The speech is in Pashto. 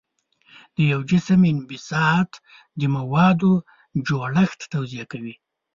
د یو جسم انبساط د موادو جوړښت توضیح کوي.